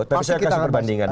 tapi saya kasih perbandingan